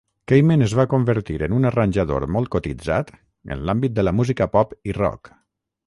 Kamen es va convertir en un arranjador molt cotitzat en l'àmbit de la música pop i rock.